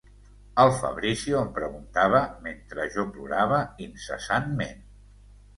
El Fabrizio em preguntava mentre jo plorava incessantment.